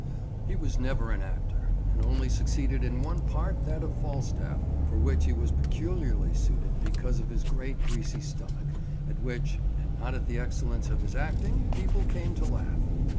He was never an actor, and only succeeded in one part, that of Falstaff, for which he was peculiarly suited because of his great greasy stomach, at which, and not at the excellence of his acting, people came to laugh.